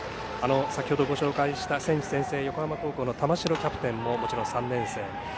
先ほどご紹介した選手宣誓、横浜高校の玉城キャプテンももちろん３年生。